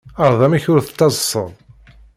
Ɛreḍ amek ur tettaḍsaḍ.